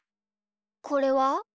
これは？